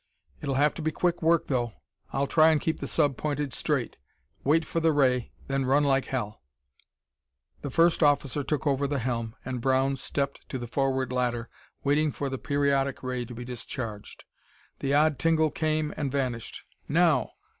It'll have to be quick work, though; I'll try and keep the sub pointed straight. Wait for the ray, then run like hell!" The first officer took over the helm and Brown stepped to the forward ladder, waiting for the periodic ray to be discharged. The odd tingle came and vanished. "Now!"